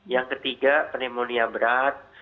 yang ketiga pneumonia berat